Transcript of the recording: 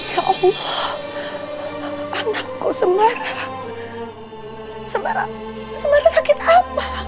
ya allah anakku sembara sembara sembara sakit apa